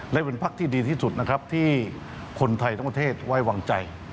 และเป็นพักที่ดีที่สุดนะครับที่คนไทยทั้งประเทศไว้วางใจ